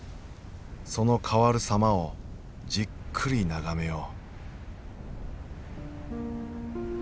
その変わる様をじっくり眺めよう。